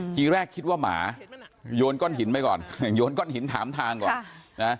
ทีแรกคิดว่าหมาโยนก้อนหินไปก่อนโยนก้อนหินถามทางก่อนนะ